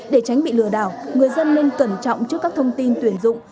để tránh bị lừa đảo người dân nên cẩn trọng trước các thông tin tuyển dụng